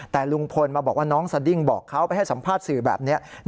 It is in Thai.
แต่ลุงพลมาบอกว่าน้องสดิ้งบอกเขาไปให้สัมภาษณ์สื่อแบบนี้